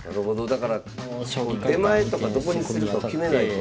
だから出前とかどこにするとか決めないと。